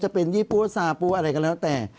จะเป็นยี่ปุ๊บสาปุ๊บอะไรกันแล้วแต่